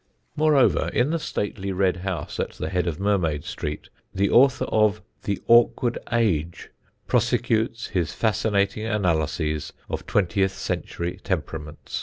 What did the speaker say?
Moreover, in the stately red house at the head of Mermaid Street the author of The Awkward Age prosecutes his fascinating analyses of twentieth century temperaments.